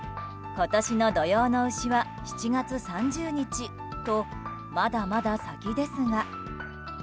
今年の土用の丑は７月３０日とまだまだ先ですが。